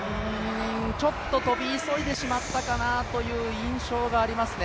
ちょっと跳び急いでしまったのかなという印象があります。